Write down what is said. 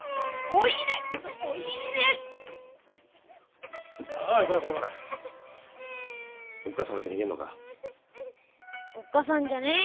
おっ母さんじゃねえ。